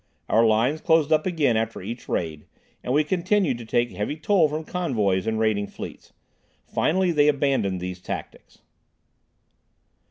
Our lines closed up again after each raid, and we continued to take heavy toll from convoys and raiding fleets. Finally they abandoned these tactics.